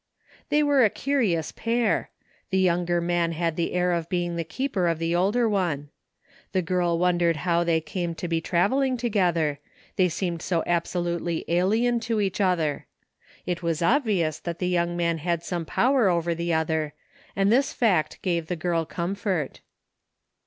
They were a curious pair ; the younger man had the air of being the keeper of the older one. The girl wondered how they came to be travelling together, they seemed so absolutely alien to each other. It was obvious that the young man had some power over the other, and this fact gave the girl comfort.